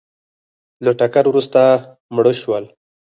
له ټکر وروسته مړه شول